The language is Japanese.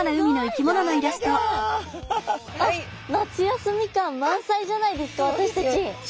あっ夏休み感満載じゃないですか私たち。